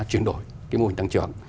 chuyển đổi cái mô hình tăng trưởng